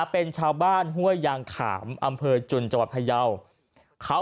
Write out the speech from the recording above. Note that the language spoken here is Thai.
เป็นชาวบ้านห่วยยางขามอำเภอจุลจพะเยาว์